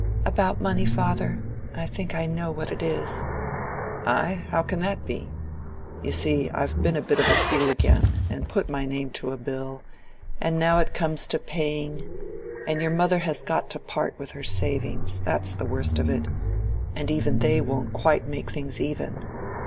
"About money, father? I think I know what it is." "Ay? how can that be? You see, I've been a bit of a fool again, and put my name to a bill, and now it comes to paying; and your mother has got to part with her savings, that's the worst of it, and even they won't quite make things even.